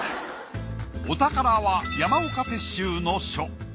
お宝は山岡鉄舟の書。